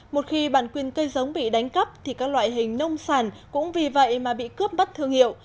một khi bản quyền cây giống bị đánh cắp thì các loại hình nông sản cũng vì vậy mà bị cướp bắt thương hiệu